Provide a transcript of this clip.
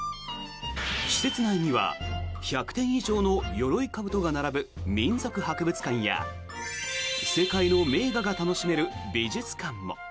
施設内には１００点以上のよろいかぶとが並ぶ民俗博物館や世界の名画が楽しめる美術館も。